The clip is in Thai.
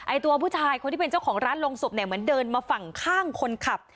ตัวผู้ชายคนที่เป็นเจ้าของร้านลงศพเนี่ยเหมือนเดินมาฝั่งข้างคนขับ